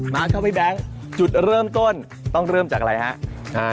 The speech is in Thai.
ครับพี่แบงค์จุดเริ่มต้นต้องเริ่มจากอะไรฮะ